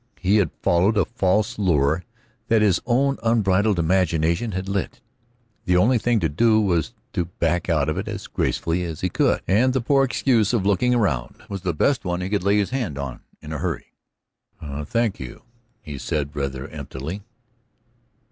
He had followed a false lure that his own unbridled imagination had lit. The only thing to do was back out of it as gracefully as he could, and the poor excuse of "looking around" was the best one he could lay his hand to in a hurry. "Thank you," said he, rather emptily.